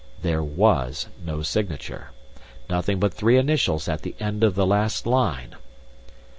There was no signature! Nothing but three initials at the end of the last line!